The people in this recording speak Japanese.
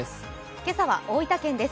今朝は大分県です。